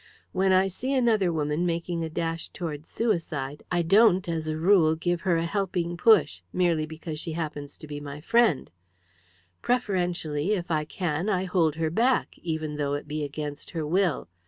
When I see another woman making a dash towards suicide I don't, as a rule, give her a helping push, merely because she happens to be my friend; preferentially, if I can, I hold her back, even though it be against her will.